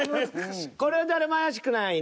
これは誰も怪しくないね。